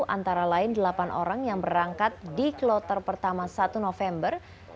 antara lain delapan orang yang berangkat di kloter pertama satu november